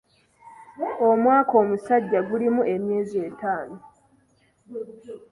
Omwaka omusajja gulimu emyezi etaano.